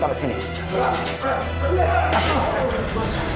mau bawa dinaidin ya pak ustadz